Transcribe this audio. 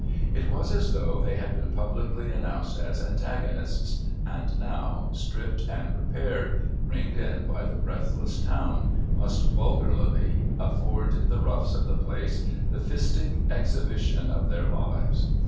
It was as though they had been publicly announced as antagonists, and now, stripped and prepared, ringed in by the breathless Town, must vulgarly afford the roughs of the place the fistic exhibition of their lives.